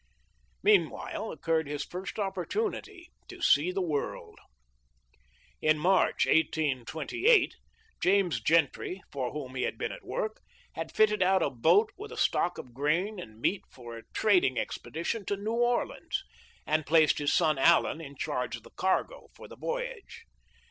Meanwhile occurred his first opportunity to see the world. In March, 1828, James Gentry, for whom he had been at work, had fitted out a boat with a stock of grain and meat for a trading expedition to New Orleans, and placed his son Allen in charge of the cargo for the voyage.